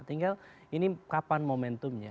tinggal ini kapan momentumnya